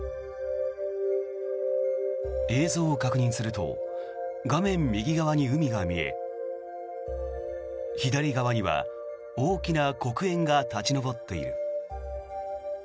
映像を確認すると画面右側に海が見え左側には大きな黒煙が立ち上っている。